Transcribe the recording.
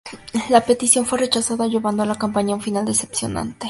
La petición fue rechazada, llevando la campaña a un final decepcionante.